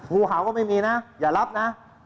งูเห่าก็ไม่มีนะอย่ารับนะ